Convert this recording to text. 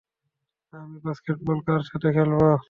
আমি বাস্কেটবল কার সাথে খেলবো?